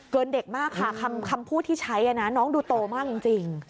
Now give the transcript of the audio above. เด็กมากค่ะคำพูดที่ใช้นะน้องดูโตมากจริง